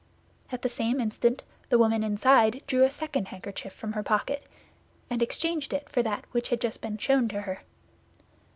At the same instant the woman inside drew a second handkerchief from her pocket, and exchanged it for that which had just been shown to her.